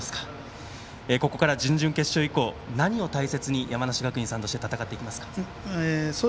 ここからの準々決勝以降何を大切に山梨学院さんとして戦っていきますか。